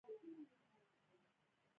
غیرت یو ژوندی فرهنګ دی